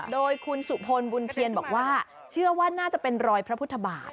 โดยคุณสุพลบุญเทียนบอกว่าเชื่อว่าน่าจะเป็นรอยพระพุทธบาท